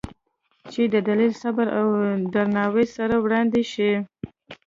چې د دلیل، صبر او درناوي سره وړاندې شي،